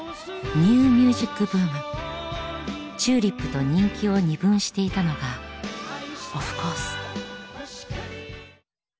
ＴＵＬＩＰと人気を二分していたのがオフコース。